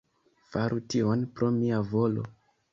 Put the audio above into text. Faru tion pro mia volo.